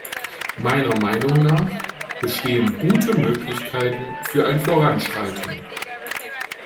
Meiner Meinung nach bestehen gute Möglichkeiten für ein Voranschreiten.